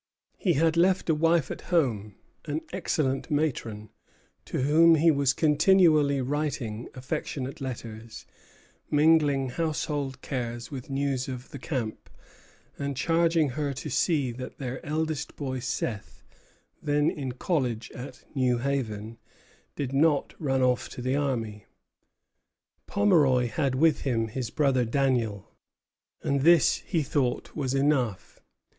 He had left a wife at home, an excellent matron, to whom he was continually writing affectionate letters, mingling household cares with news of the camp, and charging her to see that their eldest boy, Seth, then in college at New Haven, did not run off to the army. Pomeroy had with him his brother Daniel; and this he thought was enough.